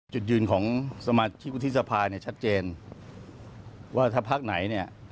จุดยืนของสมาชิกอุทิศภาคชัดเจนว่าถ้าพักไหน